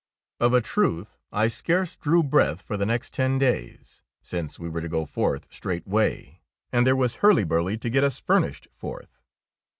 Of a truth I scarce drew breath for the next ten days, since we were to go forth straightway, and there was hurly burly to get us furnished forth.